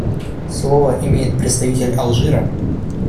Слово имеет представитель Алжира.